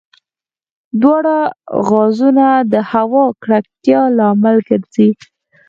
دواړه غازونه د هوا د ککړتیا لامل ګرځي.